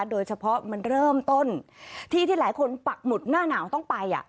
โดยเฉพาะมันเริ่มต้นที่ที่หลายคนปักหมุดหน้าหนาวต้องไป